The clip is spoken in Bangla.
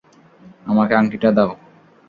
আমাকে আংটিটা দাও!